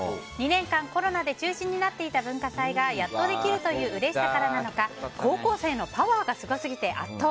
２年間、コロナで中止になっていた文化祭がやっとできるといううれしさからなのか高校生のパワーがすごすぎて圧倒。